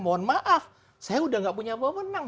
mohon maaf saya sudah tidak punya uwomenang